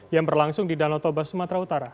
yang berlangsung di danau toba sumatera utara